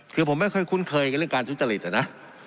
คือผมไม่ค่อยคุ้นเคยกับเรื่องการทุจริตนะ